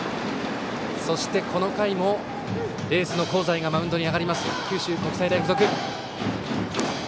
そしてこの回も、エースの香西がマウンドに上がります。